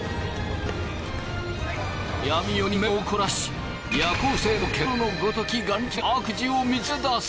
闇夜に目をこらし夜行性の獣のごとき眼力で悪事を見つけ出す。